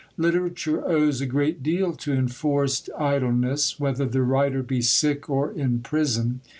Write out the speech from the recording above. Literature owes a great deal to enforced idleness, whether the writer be sick or in prison.